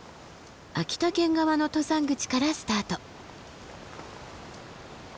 秋田県側の登山口からスタート。